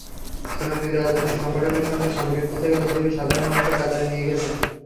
শ্রমিক রাজনৈতিক সংগঠনের সঙ্গে সম্পৃক্ত থেকে নিজেকে সাধারণ মানুষের কাতারে নিয়ে গেছেন।